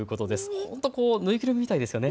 本当、縫いぐるみみたいですよね。